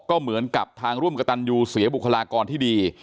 ก็เหมือนกับทางร่วมกระตันยูเสียบุคลากรที่ดี